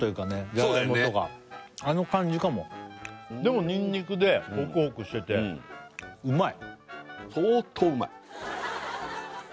ジャガイモとかあの感じかもでもにんにくでホクホクしててうまい！